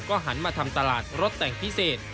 หันมาทำตลาดรถแต่งพิเศษ